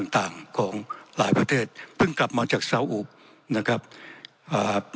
ต่างต่างของหลายประเทศเพิ่งกลับมาจากซาอุนะครับอ่า